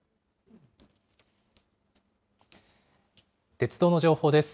鉄道の情報です。